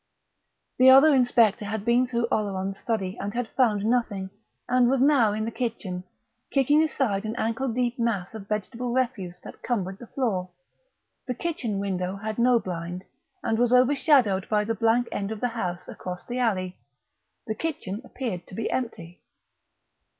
The other inspector had been through Oleron's study and had found nothing, and was now in the kitchen, kicking aside an ankle deep mass of vegetable refuse that cumbered the floor. The kitchen window had no blind, and was over shadowed by the blank end of the house across the alley. The kitchen appeared to be empty.